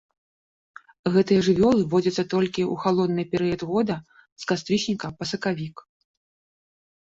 Гэтыя жывёлы водзяцца толькі ў халодны перыяд года з кастрычніка па сакавік.